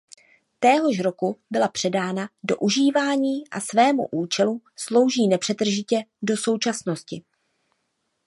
Téhož roku byla předána do užívání a svému účelu slouží nepřetržitě do současnosti.